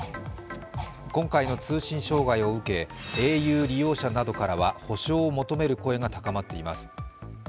今回の通信障害を受けａｕ利用者などからは補償を求める声が高まっています。